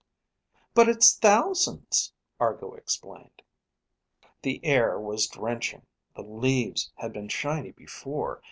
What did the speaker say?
"But it's thousands," Argo explained. The air was drenching. The leaves had been shiny before.